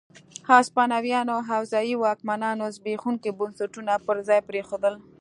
هسپانويانو او ځايي واکمنانو زبېښونکي بنسټونه پر ځای پرېښودل.